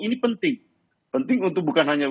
ini penting penting untuk bukan hanya